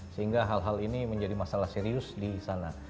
sehingga hal hal ini menjadi masalah serius di sana